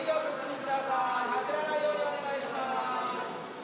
走らないようにお願いします。